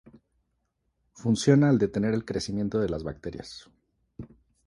Funciona al detener el crecimiento de las bacterias.